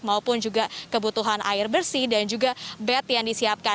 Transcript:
maupun juga kebutuhan air bersih dan juga bed yang disiapkan